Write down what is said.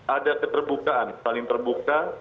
ada keterbukaan saling terbuka